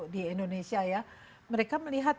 di indonesia ya mereka melihat